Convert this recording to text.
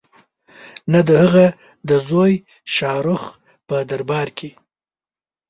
نه د هغه د زوی شاه رخ په دربار کې.